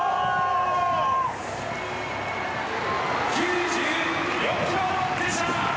９４キロでした。